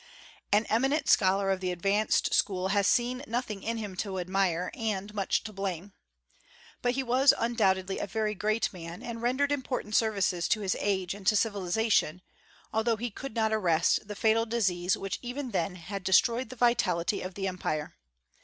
An eminent scholar of the advanced school has seen nothing in him to admire, and much to blame. But he was undoubtedly a very great man, and rendered important services to his age and to civilization, although he could not arrest the fatal disease which even then had destroyed the vitality of the Empire.